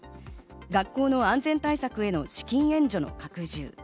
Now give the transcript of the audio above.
学校の安全対策への資金援助の拡充。